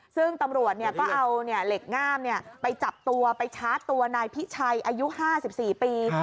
ซึ่งตำรวจก็เอาเหล็กง่ามไปจับตัวไปชาร์จตัวนายพิชัยอายุ๕๔ปี